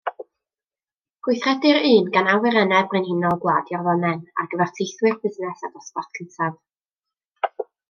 Gweithredir un gan Awyrennau Brenhinol Gwlad Iorddonen ar gyfer teithwyr busnes a dosbarth cyntaf.